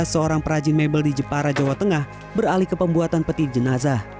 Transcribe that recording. seorang perajin mebel di jepara jawa tengah beralih ke pembuatan peti jenazah